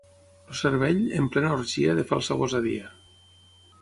El cervell, en plena orgia de falsa gosadia.